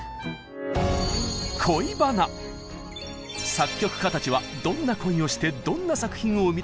作曲家たちはどんな恋をしてどんな作品を生み出したのか。